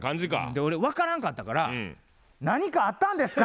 で俺分からんかったから「何かあったんですか？」。